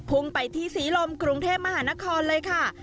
ไปที่ศรีลมกรุงเทพมหานครเลยค่ะ